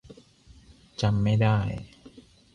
จำไม่ได้